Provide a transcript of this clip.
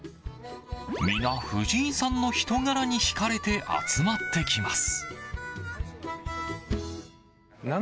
皆、藤井さんの人柄に引かれて集まってきます。